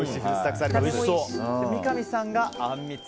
三上さんが、あんみつ。